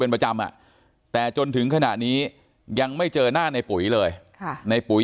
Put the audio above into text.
เป็นประจำอ่ะแต่จนถึงขณะนี้ยังไม่เจอหน้าในปุ๋ยเลยในปุ๋ย